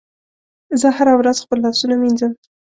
زه هره ورځ خپل لاسونه مینځم.